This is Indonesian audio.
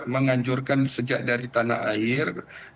menganjurkan sejak dari tanah air